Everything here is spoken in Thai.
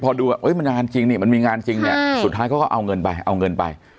พอดูมันงานจริงนี่มันมีงานจริงเนี่ยสุดท้ายเขาก็เอาเงินไปเอาเงินไป